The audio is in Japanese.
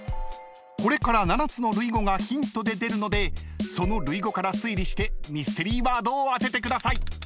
［これから７つの類語がヒントで出るのでその類語から推理してミステリーワードを当ててください］